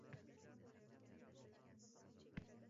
Bo‘stonliqlik chavandozlarning qo‘li baland kelding